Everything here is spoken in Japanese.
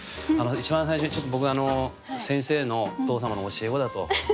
一番最初にちょっと僕あの先生のお父様の教え子だと。